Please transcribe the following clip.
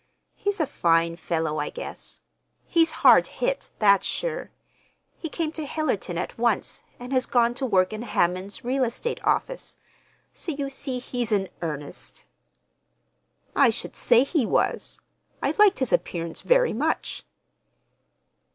He's a fine fellow, I guess. He's hard hit—that's sure. He came to Hillerton at once, and has gone to work in Hammond's real estate office. So you see he's in earnest." "I should say he was! I liked his appearance very much."